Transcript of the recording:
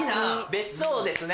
別荘ですね。